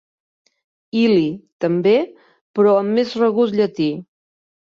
Ili, també, però amb més regust llatí.